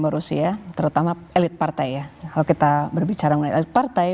manusia terutama elit partai ya kalau kita berbicara mengenai elit partai